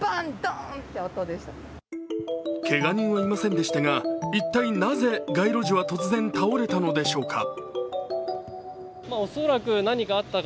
けが人はいませんでしたが、一体なぜ街路樹は突然倒れたのでしょうか。